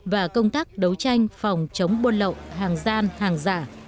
và công tác đấu tranh phòng chống buôn lậu hàng gian hàng giả